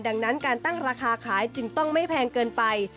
ดังนั้นการตั้งราคาขายจึงต้องไม่แพงเกินไป